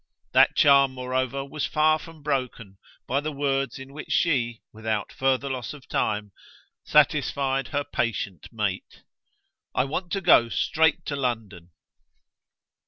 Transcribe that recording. That charm moreover was far from broken by the words in which she, without further loss of time, satisfied her patient mate. "I want to go straight to London."